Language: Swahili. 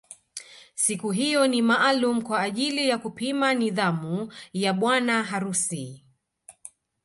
Siku hiyo ni maalum kwa ajili ya kupima nidhamu ya bwana harusi